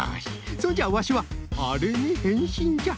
そんじゃあワシはあれにへんしんじゃ。